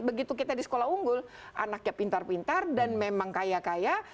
begitu kita di sekolah unggul anaknya pintar pintar dan memang kaya kaya